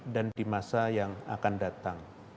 dan di masa yang akan datang